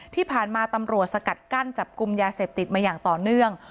ที่ผ่านมาตำรวจสกัดกั้นจับกลุ่มยาเสพติดมาอย่างต่อเนื่อง